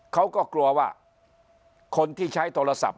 เขาก็กลัวว่าคนที่ใช้โทรศัพท์